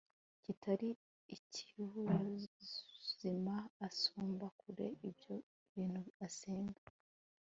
kitari ikiburabuzima. asumba kure ibyo bintu asenga